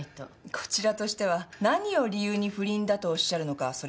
こちらとしては何を理由に不倫だとおっしゃるのかそれを聞いてからでないと。